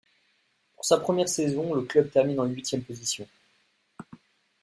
Pour sa première saison, le club termine en huitième position.